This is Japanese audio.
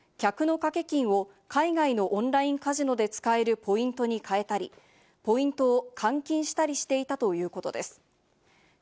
・スモウペイの運営グループで、客の賭け金を海外のオンラインカジノで使えるポイントに替えたり、ポイントを換金したりしていたということです。